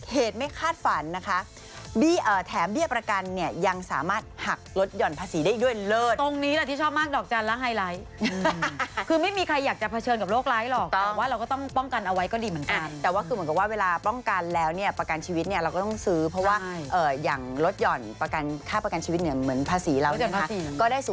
หักลดหย่อนภาษีได้ด้วยเลิศตรงนี้แหละที่ชอบมากดอกจันและไฮไลท์คือไม่มีใครอยากจะเผชิญกับโรคร้ายหรอกแต่ว่าเราก็ต้องป้องกันเอาไว้ก็ดีเหมือนกันแต่ว่าคือเหมือนกับว่าเวลาป้องกันแล้วเนี่ยประกันชีวิตเนี่ยเราก็ต้องซื้อเพราะว่าอย่างลดหย่อนประกันค่าประกันชีวิตเหนือเหมือนภา